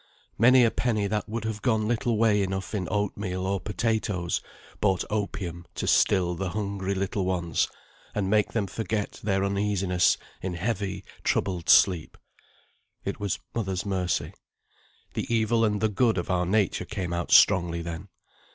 Many a penny that would have gone little way enough in oatmeal or potatoes, bought opium to still the hungry little ones, and make them forget their uneasiness in heavy troubled sleep. It was mother's mercy. The evil and the good of our nature came out strongly then.